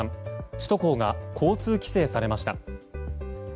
首都高が交通規制されました。